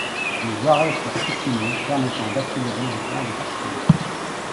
Des arrêts furent supprimés, permettant d'accélérer les temps de parcours.